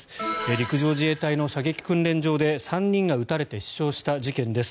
陸上自衛隊の射撃訓練場で３人が撃たれて死傷した事件です。